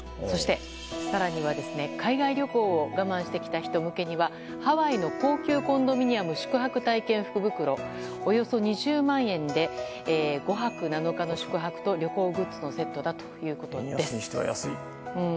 更には、海外旅行を我慢してきた人向けにはハワイの高級コンドミニアム宿泊体験福袋、およそ２０万円で５泊７日の宿泊と旅行グッズのセットだということです。